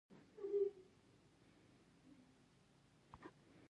لرګی د دروازې قلف ته ځواک ورکوي.